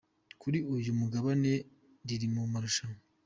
kuri uyu mugabane Riri mu marushanwa.